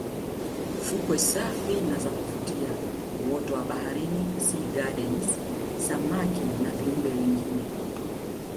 Fukwe safi na za kuvutia uoto wa baharini sea gardens samaki na viumbe wengine